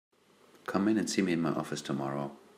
Come in and see me in my office tomorrow.